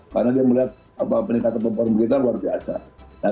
karena dia melihat peningkatan pembangunan kita luar biasa